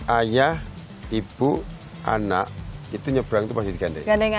ayah ibu anak itu nyebrang itu pasti digandeng